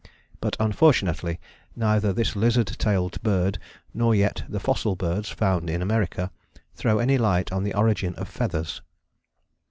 But unfortunately neither this lizard tailed bird, nor yet the fossil birds found in America, throw any light on the origin of feathers.